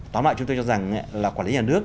tóm lại chúng tôi cho rằng là quản lý nhà nước